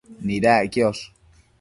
Nidac quiosh